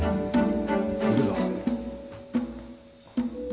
行くぞ。